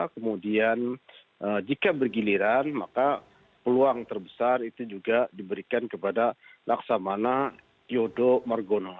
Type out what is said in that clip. kemudian jika bergiliran maka peluang terbesar itu juga diberikan kepada laksamana yodo margono